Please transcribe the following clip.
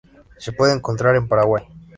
Se pueden encontrar en Paraguay.